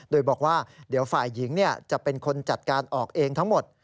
โดยบอกว่าเดี๋ยวฝ่ายหญิงจะเป็นคนจัดการออกเองทั้งหมด